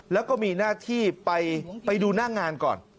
แล้วก็มีหน้าที่ไปดูหน้างานก่อน